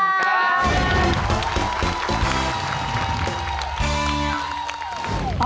ขอบคุณครับ